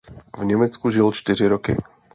V Německu žil čtyři roky.